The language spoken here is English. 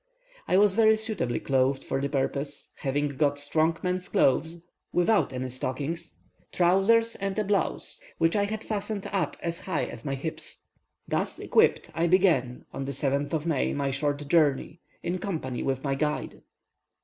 I was very suitably clothed for the purpose, having got strong men's shoes, without any stockings, trousers, and a blouse, which I had fastened up as high as my hips. Thus equipped I began, on the 7th of May, my short journey, in company with my guide.